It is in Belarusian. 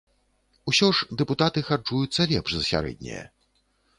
Усё ж дэпутаты харчуюцца лепш за сярэдняе.